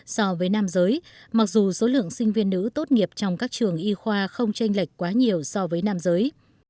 so với nam giới mặc dù số lượng sinh viên nữ tốt nghiệp trong các trường y khoa không tranh lệch quá nhiều so với nam giới